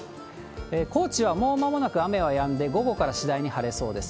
高知はもうまもなく雨はやんで、午後から次第に晴れそうです。